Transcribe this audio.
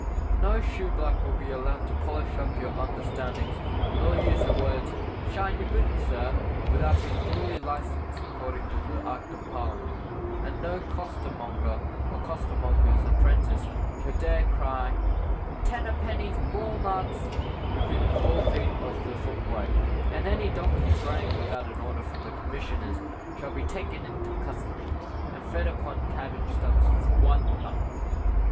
No shoeblack will be allowed to polish up your understandings, nor use the words, "shine your boots, sir," without being duly licensed according to Act of Parliament. And no costermonger, or costermonger's apprentice, shall dare to cry "ten a penny walnuts," within four feet of the footway; and any donkey braying without an order from the Commissioners shall be taken into custody, and fed upon cabbage stumps for one month.